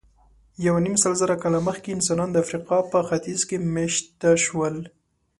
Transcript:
یونیمسلزره کاله مخکې انسانان د افریقا په ختیځ کې مېشته شول.